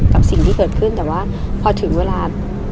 กับสิ่งที่เกิดขึ้นแต่ว่าพอถึงเวลา